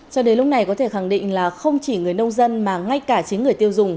cho đến lúc này có thể khẳng định là không chỉ người nông dân mà ngay cả chính người tiêu dùng